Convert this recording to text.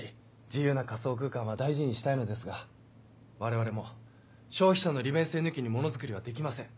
自由な仮想空間は大事にしたいのですが我々も消費者の利便性抜きにものづくりはできません。